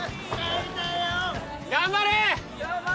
頑張れ。